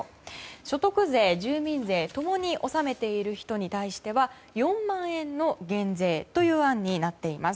所得税、住民税共に納めている人に対しては４万円の減税という案になっています。